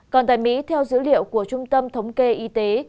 còn tại mỹ theo dữ liệu của trung tâm thống kê y tế